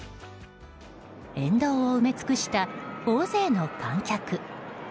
沿道を埋め尽くした大勢の観客。